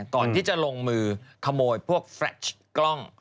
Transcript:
ก่อนที่จะลงมือขโมยพวกแฟลชกล้อง